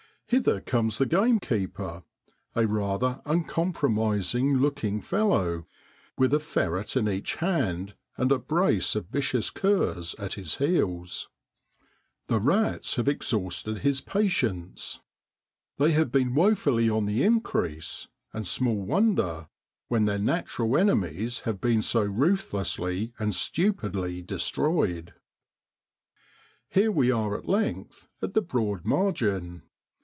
Hither comes the gamekeeper a rather uncompromising looking fellow with a ferret in each hand, and a brace of vicious curs at his heels. The rats have exhausted his patience, they have been woefully THE PENMAN'S COTTAGE. on the increase, and small wonder, when their natural enemies have been so ruth lessly and stupidly destroyed ! Here we are at length at the Broad margin.